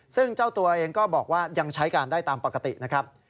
ซึ่งเจ้าตัวเองก็บอกว่ายังใช้การได้ตามปกตินะครับ